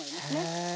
へえ。